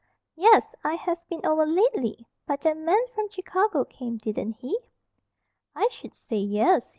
"Yes. I haven't been over lately. But that man from Chicago came, didn't he?" "I sh'd say 'yes'!